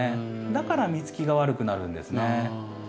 だから実つきが悪くなるんですね。